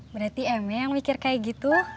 berarti emek yang mikir kaya gitu